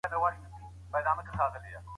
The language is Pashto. تر دغې پېښي وروسته امنیتي حالات ډېر ښه سول.